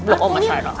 peluk omah sarah